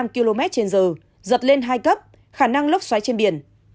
một trăm ba mươi năm một trăm sáu mươi năm km trên giờ giật lên hai cấp khả năng lốc xoáy trên biển